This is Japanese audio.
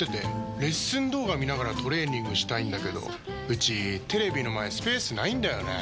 レッスン動画見ながらトレーニングしたいんだけどうちテレビの前スペースないんだよねー。